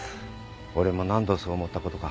俺も何度そう思ったことか。